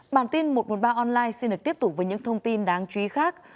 bản tin một trăm một mươi ba online xin được tiếp tục với những thông tin đáng chú ý khác